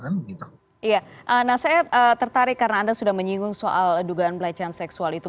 iya nah saya tertarik karena anda sudah menyinggung soal dugaan pelecehan seksual itu